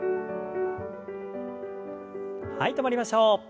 はい止まりましょう。